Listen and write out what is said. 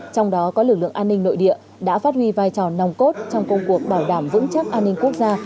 trong đó có lực lượng an ninh nội địa đã phát huy vai trò nòng cốt trong công cuộc bảo đảm vững chắc an ninh quốc gia